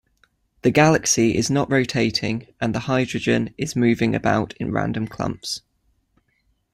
The galaxy is not rotating and the hydrogen is moving about in random clumps.